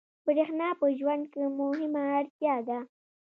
برېښنا په ژوند کې مهمه اړتیا ده.